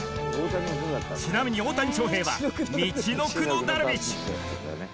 ちなみに大谷翔平はみちのくのダルビッシュ。